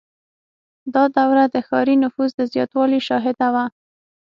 • دا دوره د ښاري نفوس د زیاتوالي شاهده وه.